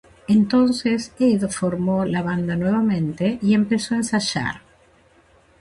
Entonces Ed formó la banda nuevamente y empezó a ensayar.